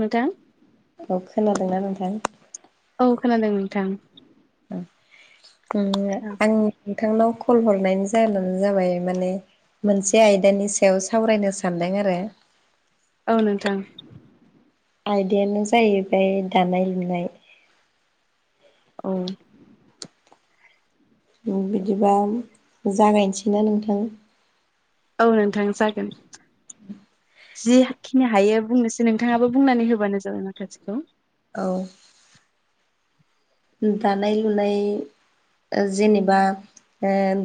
नोंथां औ खोनादोंना नोंथां। औ खोनादों नोंथां आं नोंथांनाव कल हरनायनि जाहोनानो जाबाय माने मोनसे आयदानि सायाव सावरायनो सानदों आरो औ नोंथां आयदायानो जाहैबाय दानाय लुनाय औ बिदिबा जागायनोसैना नोंथां औ नोंथां जागोन जिखिनि हायो बुंनोसै नोंथाङाबो बुंनानै होबानो जाबाय माखासेखौ औ दानाय लुनाय जेनेबा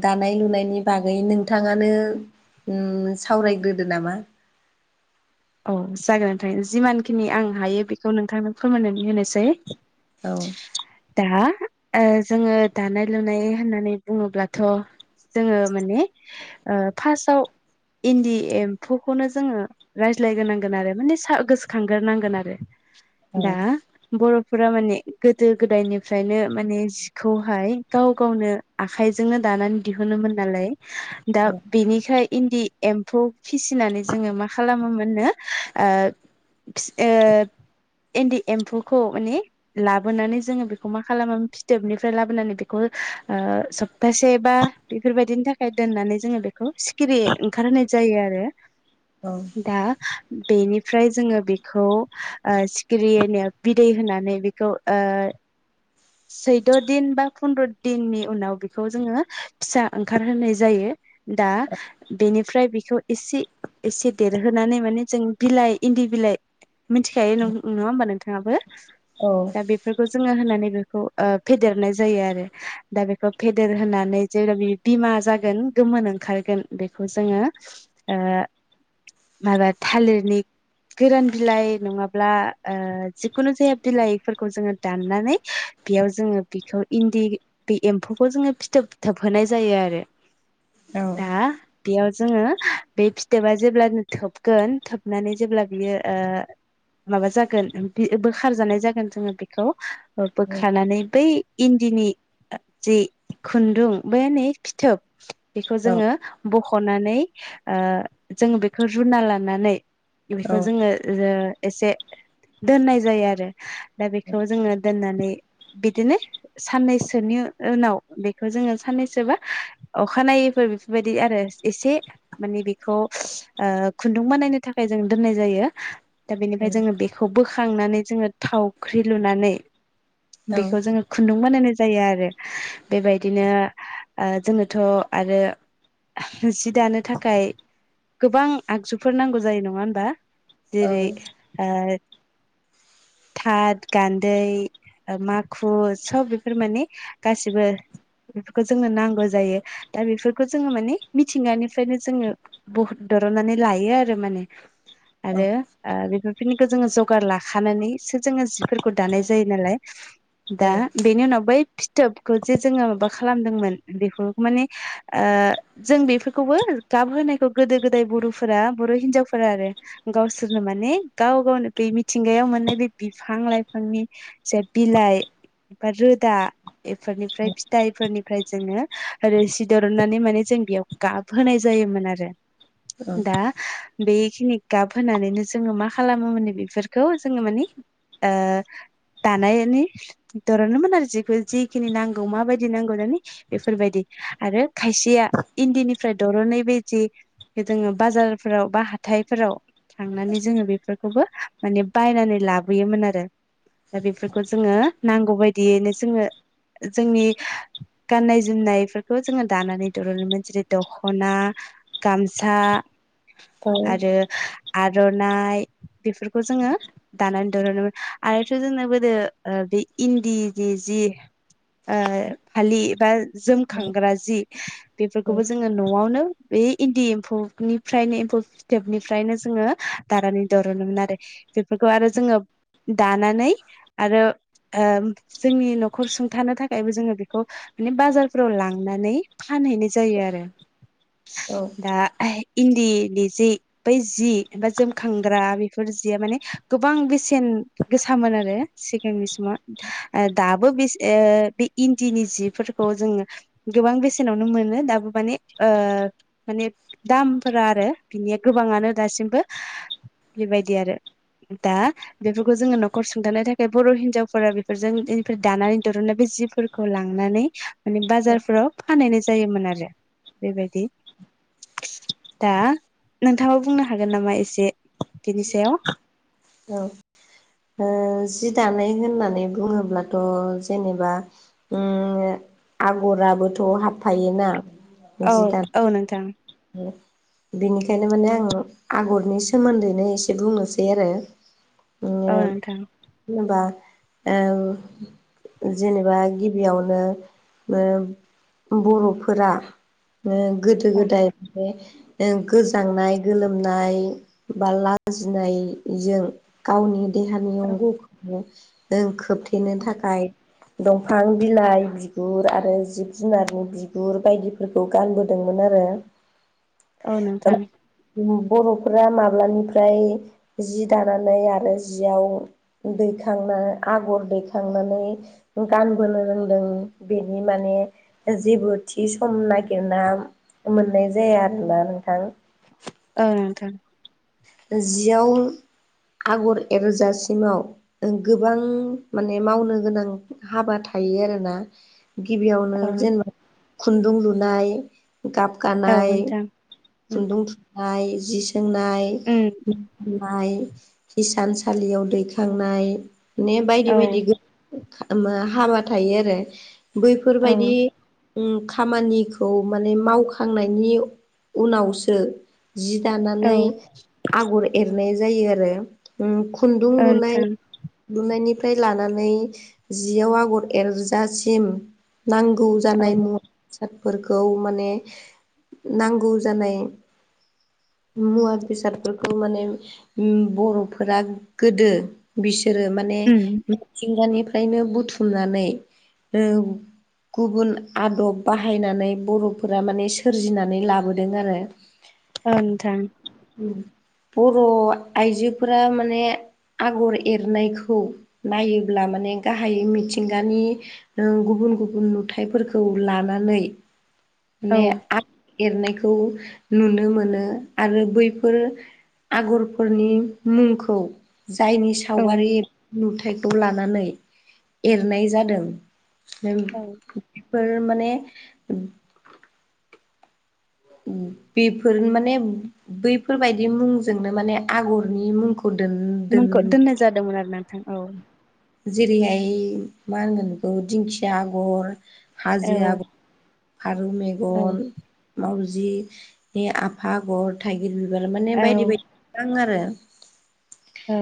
दानाय लुनायनि बागै नोंथाङानो सावरायग्रोदो नामा औ जागोन नोंथां जिमानखिनि आं हायो बेखौ नोंथांनो फोरमायनानै होनोसै औ दा जोङो दानाय लुनाय होननानै बुङोब्लाथ' जोङो माने फार्स्टआव इन्दि एम्फौखौनो जोङो रायज्लायग्रोनांगोन आरो माने स गोसोखांग्रोनांगोन आरो औ दा बर'फोरा माने गोदो गोदायनिफ्रायनो माने जिखौहाय गाव गावनो आखाइजोंनो दानानै दिहुनोमोन नालाय दा बेनिफ्राय इन्दि एम्फौ फिसिनानै जोङो मा खालामोमोननो इन्दि एम्फौखौ माने लाबोनानै जोङो बेखौ मा खालामो फिथोबनिफ्राय लाबोनानै बेखौ सप्तासे बा बेफोरबायदिनि थाखाय दोननानै जोङो बेखौ सिखिरि ओंखारहाय जायो आरो औ दा बेनिफ्राय जोङो बेखौ सिखिरि होननि बिदै होनानै बेखौ आ [unintelligible] सैद' दिन बा फन्द्र' दिननि उनाव बेखौ जोङो फिसा ओंखार होनोनाय जायो दा बेनिफ्राय बेखौ एसे एसे देरहोनानै माने जों बिलाइ इन्दि बिलाइ मिथिखायो नङा होम्बा नोंथाङाबो औ दा बे बेफोरखौ जोङो होनानै बेखौ फेदेरनाय जायो आरो दा बेखौ फेदेर होनानै जेब्ला बे बिमा जागोन गोमोन ओंखारगोन बेखौ जोङो माबा थालिरनि गोरान बिलाइ नंङाब्ला ओ जिखुनु जाया बिलाइफोरखौ जोंङो दाननानै बेयाव जोंङो बेखौ इन्दि बे एम्फौखौ जोंङो फिथोब फिथोब होनाय जायो आरो। औ दा बेयाव जोंङो बे फिथोबा जेब्ला थोबगोन थोबनानै जेब्ला बियो ओ माबा जागोन बोखार जानाय जागोन जोंङो बेखौ बोखारानानै बै इन्दिनि जि खुन्दुं बे नै फिथोब बेखौ जोङो बख'नानै जोङो बेखौ रुना लानानै बेखौ जोङो एसे दोननाय जायो आरो दा बेखौ जोङो दोननानै बिदिनो साननैसोनि उनाव बेखौ जोङो साननैसोबा अखानायैफोर बेफोरबायदि आरो एसे माने बेखौ। ओ खुन्दुं बानायनो थाखाय जों दोननाय जायो। दा बेनिफ्राय जोंङो बेखौ बोखांनानै जोंङो थावख्रि लुनानै बेखौ जोंङो खुन्दुं बानायनाय जायो आरो बेबायदिनो ओ जोथ' आरो जि दानो थाखाय गोबां आगजुफोर नांगौ जायो नंङा होनबा औ जेरै ओ थाथ गान्दै माखु सब बेफोर माने गासिबो बेफोरखौ जोंनो नांगौ जायो। दा बेफोरखौ जोंङो माने मिथिंगानिफ्रायनो जोंङो बहुत दरननानै लायो आरो माने औ आरो आ बेफोरफोरनिखौ जोंङो जगार लाखानानैसो जोंङो जिफोरखौ दानाय जायो नालाय दा औ बेनि उनाव बै फिथोबखौ जे जोंङो माबा खालामदोंमोन बेखौ माने ओ जों बेफोरखौबो गाब होनायखौ गोदो गोदाय बर'फोरा बर' हिनजावफोरा आरो गावसोरनो माने गाव गावनो बे मिथिंगायाव मोननाय बे बिफां लाइफांनि जे बिलाइ बा रोदा बेफोरनिफ्राय फिथाइफोरनिफ्राय जोंङो रोसि दोरननानै माने जों बेयाव गाब होनाय जायोमोन आरो। औ दा बेखिनि गाब होनानैनो जोंङो मा खालामोमोन बेफोरखौ जोंङो मानि ओ दानायनि दरननोमोन आरो जिखौ जिखिनि नांगौ माबायदि नांगौ दानि बेफोरबायदि आरो खायसेया इन्दिनिफ्राय दर'नै बे जे जोंङो बाजारफोराव बा हाथायफोराव थांनानै जोंङो बेफोर खौबो माने बायनानै लाबोयोमोन आरो दा बेफोरखौ जोंङो नांगौ बायदियैनो जोंङो जोंनि गाननाय जोमनायफोरखौ जोंङो दानानै दोहनोमोन जेरै दखना, गामस सा औ आरो आर'नाइ बेफोरखौ जोंङो दानानै दोरनोमोन आरोथ' जोंना गोदो ओ बे इन्दिजि जि ओ फालि एबा औ जोमखांग्रा जि बेफोरखौबो जोंङो न'आवनो बे इन्दि एम्फौ निफ्रायनो एम्फौ फिथोबनिफ्रायनो जोंङो दानानै दरनोमोन आरो। बेफोरखौ आरो जोंङो दानानै आरो आ जोंनि न'खर सुंथानो थाखायबो जोंङो बेखौ माने बाजारफ्राव लांनानै फानहैनाय जायो आरो। औ आ इन्दिनि जि बै जि बा जोमखांग्रा बेफोर जिया माने गोबां बेसेन गोसामोन आरो सिगांनि समाव दाबो बे ओ बे इन्दिनि जिफोरखौ जोंङो गोबां बेसेनावनो मोनो दाबो माने ओ माने दामफोरा आरो बिनि गोबाङानो दासिमबो बेबायदि आरो दा बेफोरखौ जोङो नखर सुंथानो थाखाय बर' हिनजावफोरा बेफोरजों बेनिफ्राय दानानै दुरुनो बे जिफोर खौ लांनानै माने बाजारफ्राव फानहैनाय जायोमोन आरो बेबायदि दा नोंथाङा बुंनो हागोन नामा एसे बिनि सायाव औ ओ जि दानाय होननानै बुंङोब्लाथ' जेनेबा उम आगराबोथ' हाबफायोना औ जि दा औ नोंथां। [inaudible] बेनिखायनो माने आं आगरनि सोमोन्दैनो एसे बुंनोसै आरो। औ नोंथां। होनबा ओ जेनेबा गिबियावनो ओ बर'फोरा गोदो औ गोदाय बे ओ गोजांनाय गोलोमनाय बा लाजिनायजों गावनि देहानि औ अंग'खौ खोबथेनो थाखाय दंफां बिलाइ बिगुर आरो जिब जुनारनि बिगुर बायदिफोरखौ गानबोदोंमोन आरो औ नोंथां। बर'फोरा माब्लानिफ्राय जि दानानै आरो जियाव दैखांना आगर दैखांनानै गानबोनो रोंदों बेनि माने जेबो थि सम नागिरना मोननाय जाया आरोना नोंथां। ओ नोंथां जियाव आगर एरजासिमाव गोबां माने मावनो गोनां हाबा थायो आरोना। गिबियावनो औ जेनेबा खुन्दुं लुनाय गाब औ गानाय नोंथां उम खुन्दुं थुननाय जि सोंनाय उम नाय हिसानसालियाव दैखांनाय ने बायदि औ बायदि। हाबा थायो आरो औ बैफोरबायदि उम खामानिखौ माने मावखांनायनि उनावसो जि औ दानानै आगर एरनाय जायो आरो खुन्दुं औ लुनाय नोंथां लुनायनिफ्राय लानानै जियाव आगर एरजासिम नांगौ औ जानाय मुवा बेसादफोरखौ माने नांगौ जानाय मुवा बेसाद फोरखौ माने बर'फोरा गोदो बिसोरो माने उम मिथिंगानिफ्रायनो बुथुमनानै औ गुबुन आदब बाहायनानै बर'फोरा माने सोरजिनानै लाबोदों आरो ओ नोंथां बर' आइजोफोरा माने आगर एरनायखौ नायोब्ला माने गाहाय मिथिंगानि नों गुबुन गुबुन नुथाइफोरखौ लानानै औ ने आ एरनायखौ नुनो मोनो आरो बैफोर आगरफोरनि मुंखौ जायनि औ सावगारि नुथायखौ लानानै एरनाय जादों औ बेफोर माने बेफोर माने बैफोरबायदि मुंजोंनो माने आगरनि मुंखौ दोन दोन नोंखौ दोननाय जादोंमोन आरो नोंथां औ। जेरैहाय मा होनगोन बेखौ दिंखिया आगर औ हाजो आगर फारौ औ मेगन, मावजिनि आफा आगर थाइगिर बिबार माने बायदि बायदि दं आरो। ओ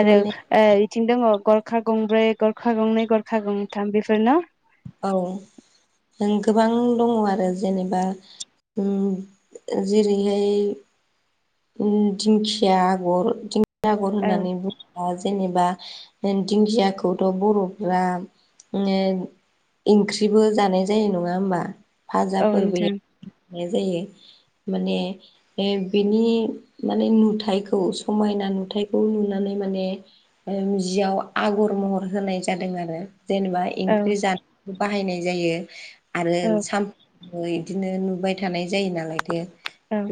आरो माने बिथिं दङ गरखा गंब्रै गरखा गंनै गरखा गंथाम बेफोर न? औ नों गोबां दङ आरो जेनेबा उम जेरैहाय दिंखिया आगर दिंखिया आगर औ होननानै बुं ओ जेनेबा दिंखियाखौथ' बर'फ्रा ओ ओंख्रिबो जानाय जायो नङा होमबा? फाजा औ फोरबो नोंथां जायो माने ए बे बिनि माने नुथाइखौ समायना नुथाखौ नुनानै माने जियाव आगर महर होनाय जादों आरो जेनेबा औ ओंख्रि जानाय बाहायनाय जायो आरो औ साम इदिनो नुबाय थानाय जायो नालायथो औ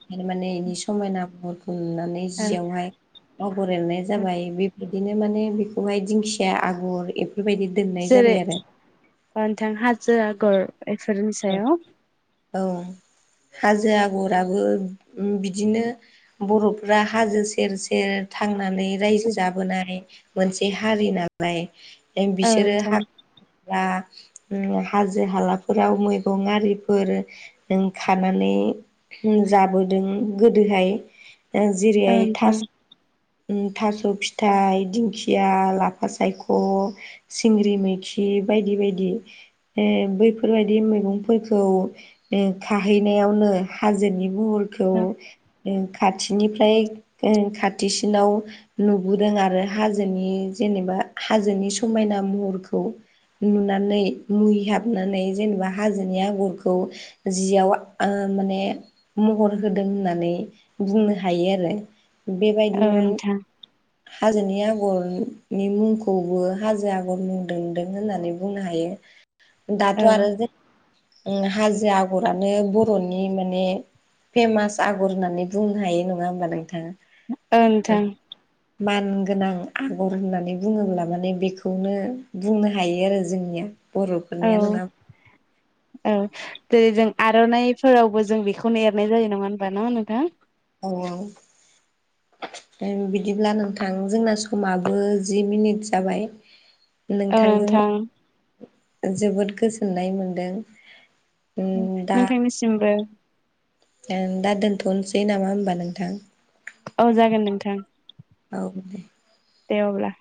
माने इनि समायना महरखौ नुनानै औ जियावहाय आगर एरनाय जाबाय बेबायदिनो माने बेखौहाय दिंखिया आगर बेफोरबायदि दोननाय जेरै जाबाय आरो नोंथां हाजो आगर एफोरनि सायाव औ हाजो आगराबो उम बिदिनो बर'फ्रा हाजो सेर सेर थांनानै रायजो जाबोनाय मोनसे हारि नालाय औ बिसोरो नोंथां [inaudible] ला हाजो हालाफोर याव मैगं आरिफोर जों खानानै जों जाबोदों गोदोहाय औ जेरैहाय नोंथां थास थास' फिथाइ दिंखिया लाफा सायख' सिंग्रि मैखि बायदि बायदि बैफोर बेफोरबायदि मैगंफोरखौ खाहैनायावनो हाजोनि मुहुर खौ ओ खाथिनिफ्राय ओं खाथिसिनाव नुबोदों आरो हाजोनि जेनेबा हाजोनि समायना महरखौ। नुनानै मुहिहाबनानै जेनेबा हाजोनि आगरखौ जियाव ओ माने महर होदों होननानै बुंनो हायो आरो औ बेबायदिनो नोंथां हाजोनि आगरनि मुंखौबो हाजो आगर मुं दोनदों होननानै बुंनो हायो। दाथ' औ आरो जे [inaudible] हाजो आगरानो बर'नि माने फेमास आगर होननानै बुंनो हायो नङा होमबा नोंथां? ओ नोंथां मान गोनां आगर होननानै बुङोब्ला माने बेखौनो बुंनो हायो आरो जोंनिया। औ बर'फोरनिया नङा औ जेरै जों आर'नाइफोरावबो जों बेखौनो एरनाय जायो नङा होनबा? ना नोंथां? औ औ बिदिब्ला नोंथां जोंना समाबो जि मिनिट जाबाय औ नोंथांजों नोंथां जोबोद गोजोननाय मोनदों दा नोंथांनिसिमबो दा दोन्थ'नोसै नामा होमबा नोंथां? औ जागोन नोंथां। औ दे। दे अब्ला।